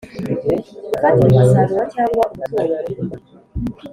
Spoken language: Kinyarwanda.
Gufatira umusaruro cyangwa umutungo